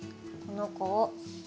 この子を。